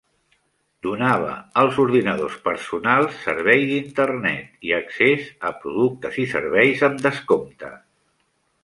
Donava als ordinadors personals servei d'internet i accés a productes i serveis amb descompte.